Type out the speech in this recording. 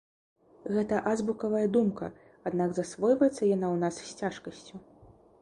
Гэта азбукавая думка, аднак засвойваецца яна ў нас з цяжкасцю.